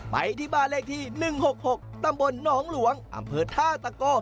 ไปที่บ้านเลขที่๑๖๖ตำบลหนองหลวงอำเภอท่าตะโก้